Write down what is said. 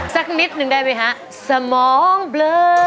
สักนิดนึงได้ไหมฮะสมองเบลอ